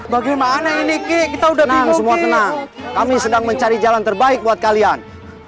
bagaimana ini ki kita udah bingung semua tenang kami sedang mencari jalan terbaik buat kalian